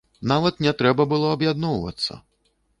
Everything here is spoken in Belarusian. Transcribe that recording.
Нават не трэба было аб'ядноўвацца!